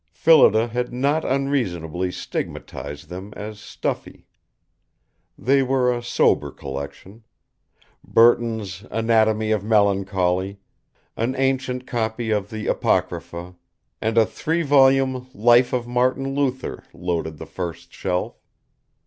Phillida had not unreasonably stigmatized them as stuffy. They were a sober collection. Burton's "Anatomy of Melancholy," an ancient copy of the Apocrypha, and a three volume Life of Martin Luther loaded the first shelf.